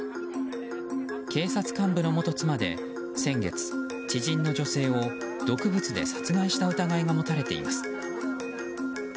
警察幹部の元妻で先月、知人の女性を毒物で殺害した疑いが持たれています。